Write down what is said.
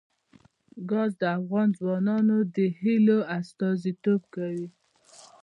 ګاز د افغان ځوانانو د هیلو استازیتوب کوي.